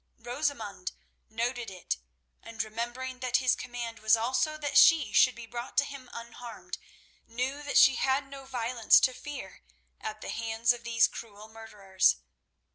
Rosamund noted it, and remembering that his command was also that she should be brought to him unharmed, knew that she had no violence to fear at the hands of these cruel murderers.